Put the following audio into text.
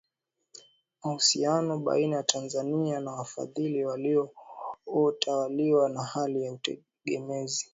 Mahusiano baina ya Tanzania na wafadhili yalitawaliwa na hali ya utegemezi